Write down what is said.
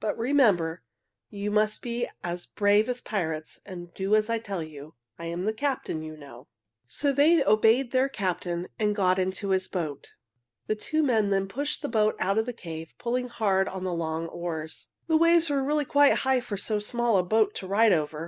"But remember, you must be as brave as pirates and do as I tell you. I am the captain, you know." [Illustration: The waves were really quite high for so small a boat] So they obeyed their captain and got into his boat. The two men then pushed the boat out of the cave, pulling hard on the long oars. The waves were really quite high for so small a boat to ride over.